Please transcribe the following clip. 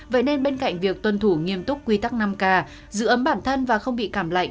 vậy nên bên cạnh việc tuân thủ nghiêm túc quy tắc năm k giữ ấm bản thân và không bị cảm lạnh